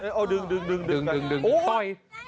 เอาดึงดึงดึงดึงต้อย